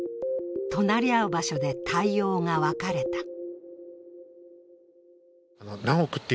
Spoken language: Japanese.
隣り合う場所で対応が分かれた。